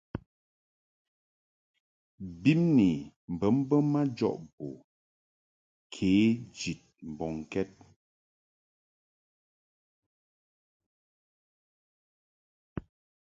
Bimni bə mbə majɔʼ bo kě jid mbɔŋkɛd.